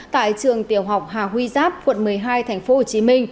tại trường tiểu học hà huy giáp quận một mươi hai tp hcm